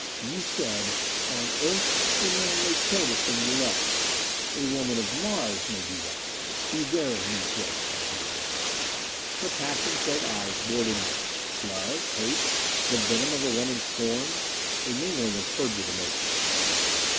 You said, 'On Earth a man may kill the thing he loves.' A woman of Mars may do that! Beware of me, Gregg Haljan." Her passion filled eyes bored into me. Love? Hate? The venom of a woman scorned a mingling of turgid emotions....